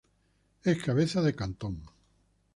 Es cabeza de cantón.